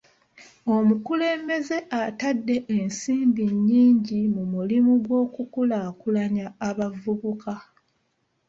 Omukulembeze atadde ensimbi nnyingi mu mirimu gy'okukulaakulanya abavubuka.